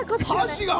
箸が。